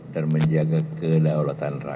dan menjaga kedaulatan rakyat